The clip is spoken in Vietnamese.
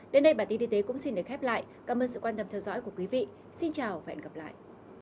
đến đây bản tin y tế cũng xin được khép lại cảm ơn sự quan tâm theo dõi của quý vị xin chào và hẹn gặp lại